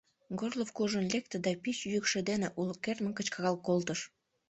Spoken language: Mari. Горлов куржын лекте да пич йӱкшӧ дене уло кертмын кычкырал колтыш: